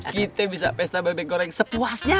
kita bisa pesta bebek goreng sepuasnya